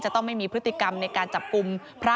ต้องไม่มีพฤติกรรมในการจับกลุ่มพระ